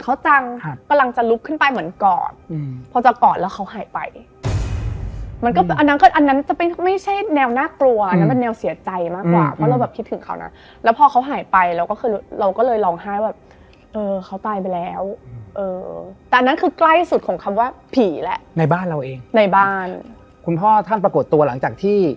ข้างล่างล็อบบี้มันจะมีเหมือนเป็นห้องกระจก